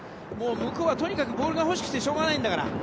もう向こうはとにかくボールが欲しくてしょうがないんだから。